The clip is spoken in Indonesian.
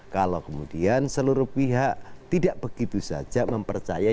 kalau kemudian seluruh pihak tidak begitu saja mempercaya